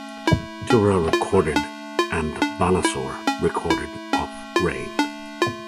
Tura recorded and Balasore recorded of rain.